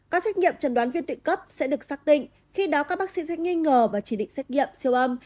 các xét nghiệm trần đoán viên tự cấp sẽ được xác định khi đó các bác sĩ sẽ nghi ngờ và chỉ định xét nghiệm siêu âm